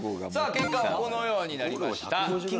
結果はこのようになりました。